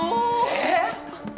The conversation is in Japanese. えっ！？